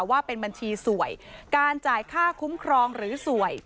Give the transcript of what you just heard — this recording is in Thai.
ว่าเป็นบัญชีสวยการจ่ายค่าคุ้มครองหรือสวย